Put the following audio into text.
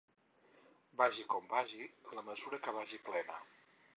Vagi com vagi, la mesura que vagi plena.